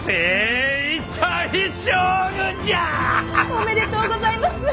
おめでとうございます！